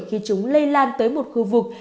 khi chúng lây lan tới một khu vực